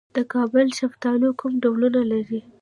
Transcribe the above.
د کابل شفتالو کوم ډولونه لري؟